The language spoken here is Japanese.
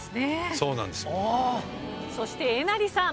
そしてえなりさん。